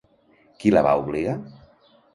Qui la va obligar?